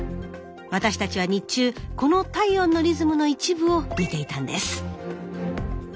私たちは日中この体温のリズムの一部を見ていたんです。